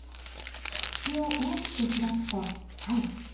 口を大きく開くと「はい」。